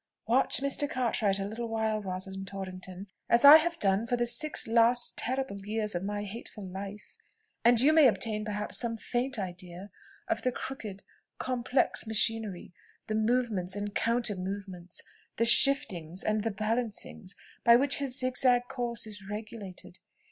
"Watch Mr. Cartwright a little while, Rosalind Torrington, as I have done for the six last terrible years of my hateful life, and you may obtain perhaps some faint idea of the crooked, complex machinery the movements and counter movements, the shiftings and the balancings, by which his zig zag course is regulated.